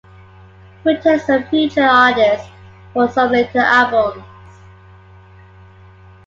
He returned as a featured artist for some later albums.